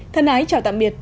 thân ái chào tạm biệt